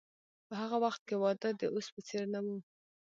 په هغه وخت کې واده د اوس په څیر نه و.